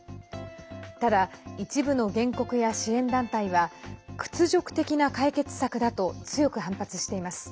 ただ、一部の原告や支援団体は屈辱的な解決策だと強く反発しています。